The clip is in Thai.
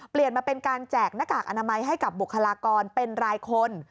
มาเป็นการแจกหน้ากากอนามัยให้กับบุคลากรเป็นรายคน